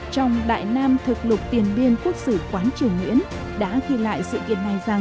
trong đại nam thực lục tiền biên quốc sử quán triều nguyễn đã ghi lại sự kiện này rằng